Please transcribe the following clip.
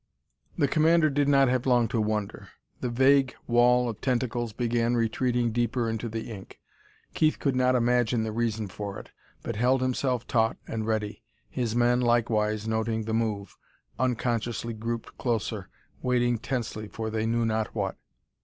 The commander did not have long to wonder. The vague wall of tentacles began retreating deeper into the ink. Keith could not imagine the reason for it, but held himself taut and ready. His men, likewise noting the move, unconsciously grouped closer, waiting tensely for they knew not what.